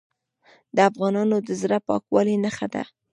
د افغانانو د زړه پاکوالي نښه ده.